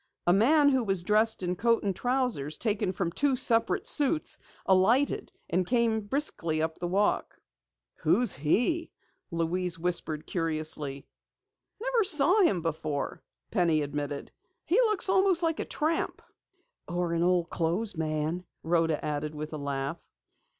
A man who was dressed in coat and trousers taken from two separate suits alighted and came briskly up the walk. "Who is he?" Louise whispered curiously. "Never saw him before," Penny admitted. "He looks almost like a tramp." "Or an old clothes man," Rhoda added with a laugh.